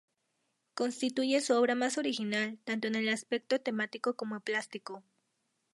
Constituye su obra más original, tanto en el aspecto temático como plástico.